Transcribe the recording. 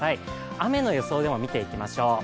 雨の予想も見ていきましょう。